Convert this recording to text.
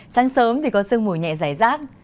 sáng sớm thì có sương mùi nhẹ rải rác